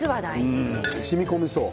しみこみそう。